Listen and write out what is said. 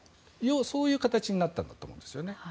そういう形になったんだと思いますね。